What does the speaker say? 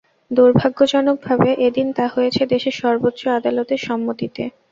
দুর্ভাগ্যজনকভাবে এদিন তা হয়েছে দেশের সর্বোচ্চ আদালতের সম্মতিতে।